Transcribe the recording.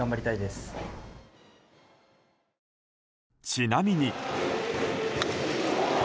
ちなみに。